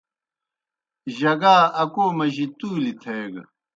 جگا اکو مجیْ تُولیْ تھیگہ۔